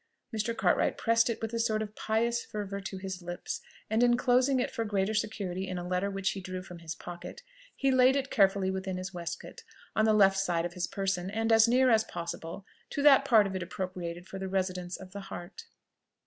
Mr. Cartwright pressed it with a sort of pious fervour to his lips, and enclosing it for greater security in a letter which he drew from his pocket, he laid it carefully within his waistcoat, on the left side of his person, and as near, as possible to that part of it appropriated for the residence of the heart.